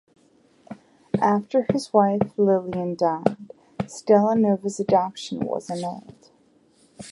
After his wife Lillian died, Stellanova's adoption was annulled.